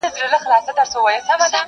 اسمان راڅخه اخلي امتحان څه به کوو؟،